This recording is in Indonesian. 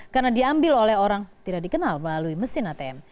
karena diambil oleh orang tidak dikenal melalui mesin atm